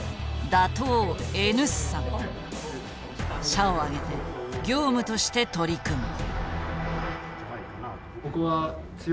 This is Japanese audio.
社を挙げて業務として取り組む。